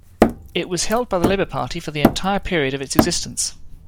It was held by the Labour Party for the entire period of its existence.